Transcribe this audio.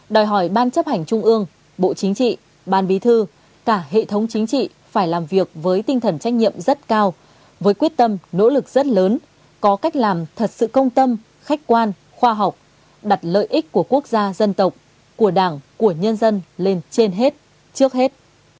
đòi hỏi ban chấp hành trung ương bộ chính trị ban bí thư cả hệ thống chính trị phải làm việc với tinh thần trách nhiệm rất cao với quyết tâm nỗ lực rất lớn có cách làm thật sự công tâm khách quan khoa học đặt lợi ích của quốc gia dân tộc của đảng của nhân dân lên trên hết trước hết